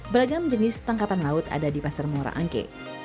beragam jenis tangkapan laut ada di pasar muara angke